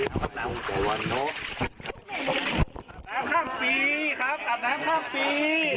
น้ำข้ามปีครับอาบน้ำข้ามฟรี